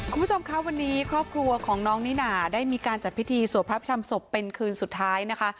คุณผู้ชมคะวันนี้ครอบครัวของน้องนิน่าได้มีการจัดพิธีสวดพระพิธรรมศพเป็นคืนสุดท้ายนะคะ